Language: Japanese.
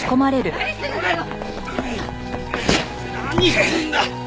何するんだ！？